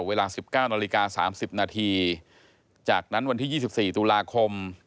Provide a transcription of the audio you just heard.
เวลา๑๙น๓๐นจากนั้นวันที่๒๔ตุลาคม